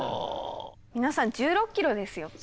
皆さん１６ｋｍですよ。